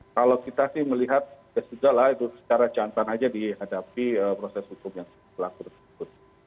kalau kita sih melihat ya sudah lah itu secara jantan aja dihadapi proses hukum yang berlaku tersebut